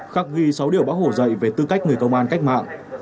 khắc ghi sáu điều bác hồ dạy về tư cách người công an cách mạng